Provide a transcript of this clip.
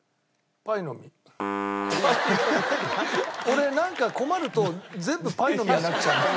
俺なんか困ると全部パイの実になっちゃうの。